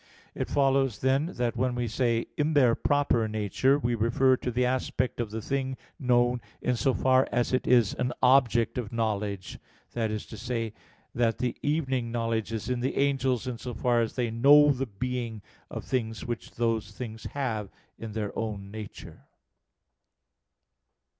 It follows, then, that when we say "in their proper nature" we refer to the aspect of the thing known in so far as it is an object of knowledge; that is to say, that the evening knowledge is in the angels in so far as they know the being of things which those things have in their own nature.